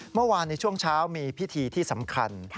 เมื่อวานในช่วงเช้ามีพิธีที่สำคัญ